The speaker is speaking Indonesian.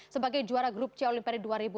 sebagai juara grup cia olimpiade dua ribu enam belas